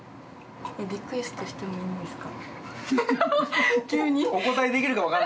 リクエストしてもいいんですか？